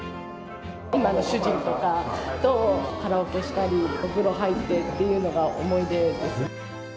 今の主人とかとカラオケしたり、お風呂入ってっていうのが思い出です。